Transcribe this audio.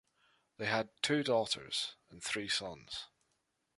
They had two daughters and three sons.